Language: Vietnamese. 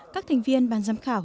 các thành viên ban giám khảo